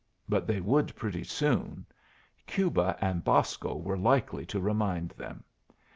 But they would pretty soon. Cuba and Bosco were likely to remind them.